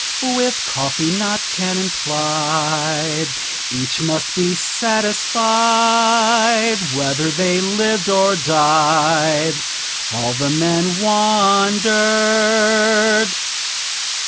With coffee not cannon plied, Each must be satisfied, Whether they lived or died; All the men wondered."